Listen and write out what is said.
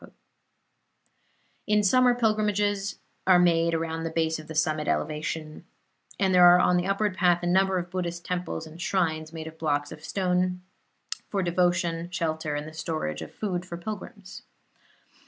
In summer pilgrimages are made around the base of the summit elevation, and there are on the upward path a number of Buddhist temples and shrines, made of blocks of stone, for devotion, shelter and the storage of food for pilgrims.